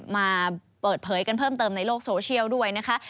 มาเปิดเผยกันเพิ่มเติมในโลกโซเชียลด้วยนะคะ